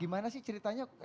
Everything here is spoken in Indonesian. gimana sih ceritanya